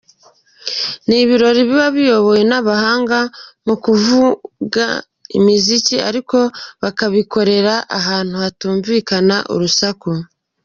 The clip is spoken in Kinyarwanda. Ni ibirori biba biyobowe n’abahanga mu kuvanga imiziki ariko bakabikorera ahantu hatumvikana urusaku.